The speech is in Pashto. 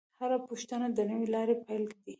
هره پوښتنه د نوې لارې پیل دی.